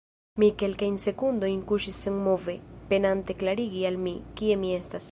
Mi kelkajn sekundojn kuŝis senmove, penante klarigi al mi, kie mi estas.